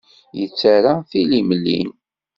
Yettarra tilimlin.